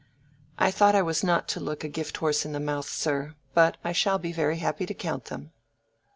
"I thought I was not to look a gift horse in the mouth, sir. But I shall be very happy to count them."